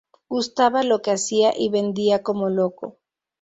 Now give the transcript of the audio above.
Gustaba lo que hacía y vendía como loco.